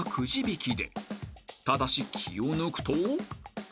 ［ただし気を抜くと］